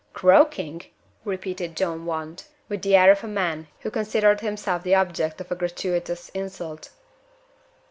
"Croaking?" repeated John Want, with the air of a man who considered himself the object of a gratuitous insult.